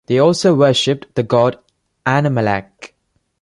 They also worshipped the god Anamelech.